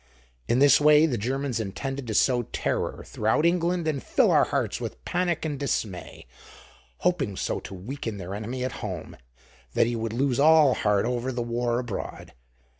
In this way the Germans intended to sow terror throughout England and fill our hearts with panic and dismay, hoping so to weaken their enemy at home that he would lose all heart over the war abroad.